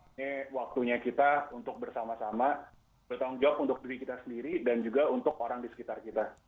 ini waktunya kita untuk bersama sama bertanggung jawab untuk diri kita sendiri dan juga untuk orang di sekitar kita